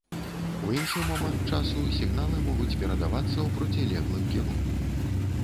У іншы момант часу сігналы могуць перадавацца ў процілеглым кірунку.